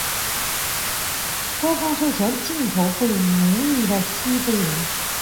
官方授权进口被奴役的西非人。